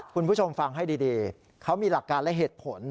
คุณผู้ชมฟังให้ดีเขามีหลักการและเหตุผล